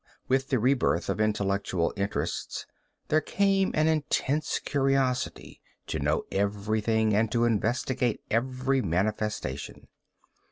With the rebirth of intellectual interests there came an intense curiosity to know everything and to investigate every manifestation.